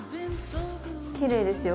きれいですよ